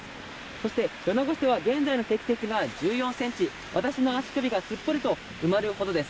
そして米子市は現在の積雪は１４ｃｍ、私の足首がすっぽりと埋まるほどです。